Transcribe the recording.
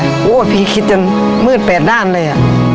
โอ้โหพี่คิดจนมืดแปดด้านเลย